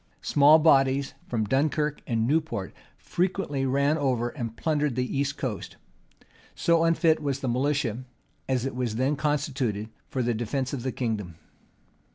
Small bodies from Dunkirk and Newport frequently ran over and plundered the east coast: so unfit was the militia, as it was then constituted, for the defence of the kingdom.